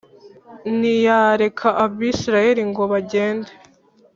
ntiyareka Abisirayeli ngo bagende